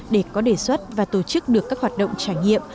để có đề xuất và tổ chức được các hoạt động trải nghiệm